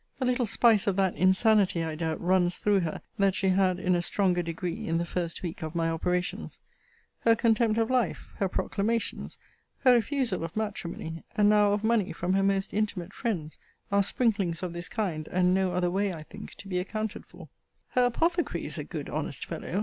A little spice of that insanity, I doubt, runs through her, that she had in a stronger degree, in the first week of my operations. Her contempt of life; her proclamations; her refusal of matrimony; and now of money from her most intimate friends; are sprinklings of this kind, and no other way, I think, to be accounted for. * See Letter XLVIII. of this volume. Her apothecary is a good honest fellow.